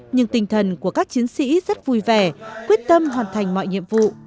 nhưng tinh thần của các chiến sĩ rất vui vẻ quyết tâm hoàn thành mọi nhiệm vụ